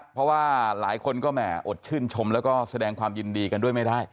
เพราะว่าหลายคนก็แหมอดชื่นชมแล้วก็แสดงความยินดีกันด้วยไม่ได้